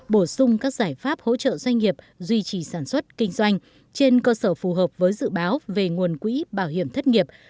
bổ sung các giải pháp hỗ trợ doanh nghiệp duy trì sản xuất kinh doanh trên cơ sở phù hợp với dự báo về nguồn quỹ bảo hiểm thất nghiệp